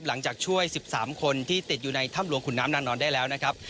หลังจากช่วย๑๓คนที่ติดอยู่ในถ้ำหลวงขุนน้ำนางนอนได้แล้วนะครับ